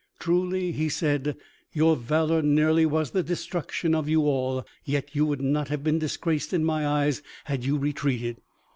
"Truly," he said, "your valor nearly was the destruction of you all. Yet you would not have been disgraced in my eyes had you retreated.